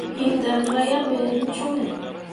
Hinni danra yaŋ ɓe te cume.